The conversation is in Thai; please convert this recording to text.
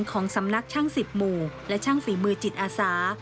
ของสำนักช่าง๑๐หมู่และช่างฝีมือจิตอาสา